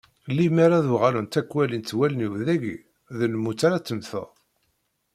Lemmer ad uɣalent ad k-walint wallen-iw dagi, d lmut ara temmteḍ.